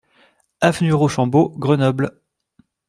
Avenue Rochambeau, Grenoble